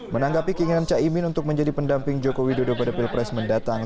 menanggapi keinginan caimin untuk menjadi pendamping jokowi di depan pilpres mendatang